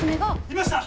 いました！